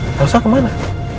nggak usah kemana